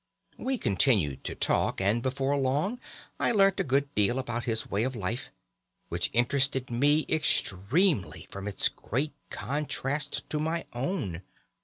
"We continued to talk, and before long I learnt a good deal about his way of life, which interested me extremely from its great contrast to my own.